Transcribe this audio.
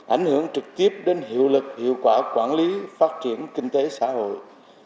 ảnh hưởng trực tiếp đến hiệu lực hiệu quả quản lý phát triển kinh tế xã hội